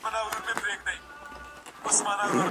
که مغول مسلمان سوي نه وای، څه به سوي وو؟